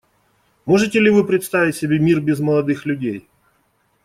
Можете ли вы представить себе мир без молодых людей?